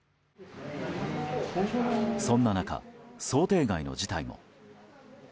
そんな中、想定外の事態も。